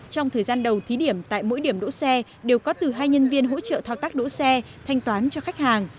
trong thời gian đầu thí điểm tại mỗi điểm đỗ xe đều có từ hai nhân viên hỗ trợ thao tác đỗ xe thanh toán cho khách hàng